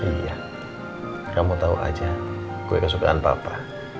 iya kamu tahu aja kue kesukaan papa